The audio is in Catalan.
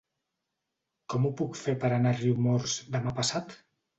Com ho puc fer per anar a Riumors demà passat?